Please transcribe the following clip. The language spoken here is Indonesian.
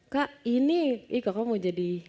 kak ini ih kakak mau jadi